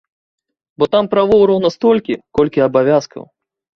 Бо там правоў роўна столькі, колькі абавязкаў.